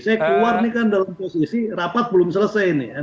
saya keluar ini kan dalam posisi rapat belum selesai nih